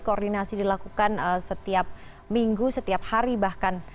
koordinasi dilakukan setiap minggu setiap hari bahkan